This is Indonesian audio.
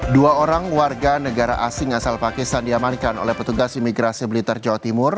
dua orang warga negara asing asal pakistan diamankan oleh petugas imigrasi blitar jawa timur